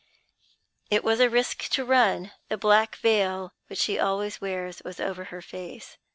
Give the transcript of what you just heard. "It was a risk to run. The black veil which she always wears was over her face.